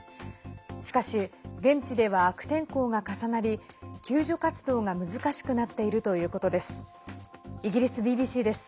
しかし、現地では悪天候が重なり救助活動が難しくなっているということです。